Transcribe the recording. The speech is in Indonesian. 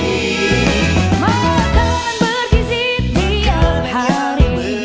makanan berkisi tiap hari